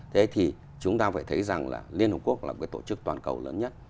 thế thì chúng ta phải thấy rằng là liên hợp quốc là một cái tổ chức toàn cầu lớn nhất